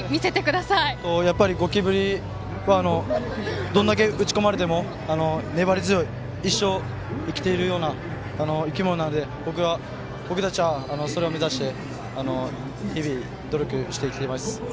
やっぱりゴキブリはどれだけ打ち込まれても粘り強い、一生生きているような生き物なので僕たちはそれを目指して日々、努力しています。